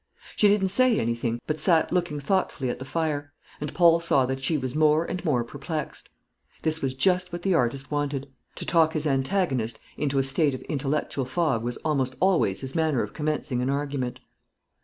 She didn't say anything, but sat looking thoughtfully at the fire; and Paul saw that she was more and more perplexed. This was just what the artist wanted. To talk his antagonist into a state of intellectual fog was almost always his manner of commencing an argument.